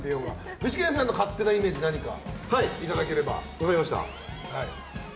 具志堅さんの勝手なイメージ何かいただければ。